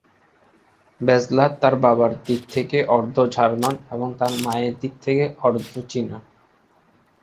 বেজলার তার বাবার দিক থেকে অর্ধ- জার্মান এবং তার মায়ের দিক থেকে অর্ধ- চীনা।